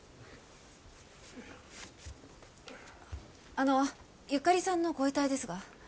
あのゆかりさんのご遺体ですが。